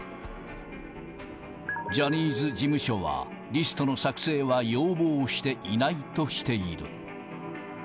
ジャニーズ事務所は、リストの作成は要望していないとしている。